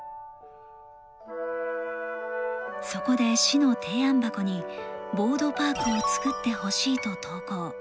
そこで市の提案箱に「ボードパークをつくってほしい」と投稿。